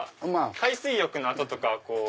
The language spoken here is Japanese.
海水浴の後とかは。